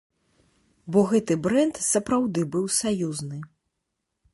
Бо гэты брэнд сапраўды быў саюзны.